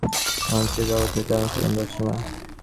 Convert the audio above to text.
মাংসের কাবাব থেকে দারুন সুগন্ধ আসছে, মা।